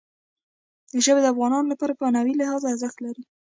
ژبې د افغانانو لپاره په معنوي لحاظ ارزښت لري.